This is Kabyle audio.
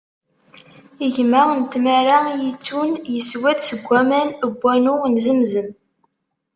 Gma n tmara i iyi-ittun, yeswa-d seg waman n wanu n Zemzem.